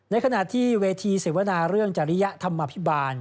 ในขณะที่เวทีเสวนาเรื่องจริยธรรมภิบาล